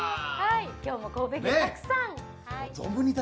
今日も神戸牛たくさん。